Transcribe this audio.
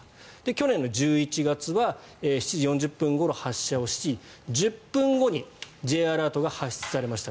去年１１月は７時４０分ごろに発射し１０分後にＪアラートが発出されました。